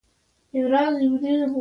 صحت له ناروغۍ پرته څه معنا لري.